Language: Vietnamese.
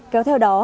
kéo theo đó